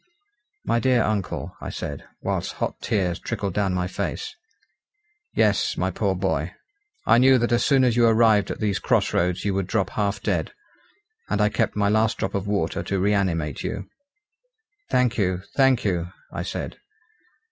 "My dear uncle," I said, whilst hot tears trickled down my face. "Yes, my poor boy, I knew that as soon as you arrived at these cross roads you would drop half dead, and I kept my last drop of water to reanimate you." "Thank you, thank you," I said.